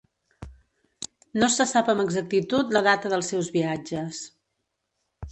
No se sap amb exactitud la data dels seus viatges.